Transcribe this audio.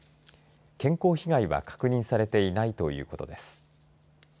健康被害は確認されていないということです。